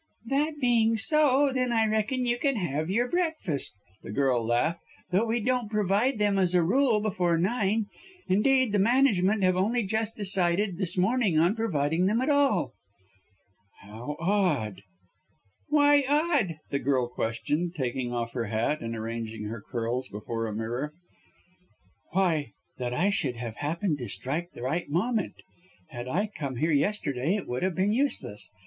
"That being so, then I reckon you can have your breakfast," the girl laughed, "though we don't provide them as a rule before nine. Indeed, the management have only just decided this morning on providing them at all." "How odd!" "Why odd?" the girl questioned, taking off her hat and arranging her curls before a mirror. "Why, that I should have happened to strike the right moment! Had I come here yesterday it would have been useless.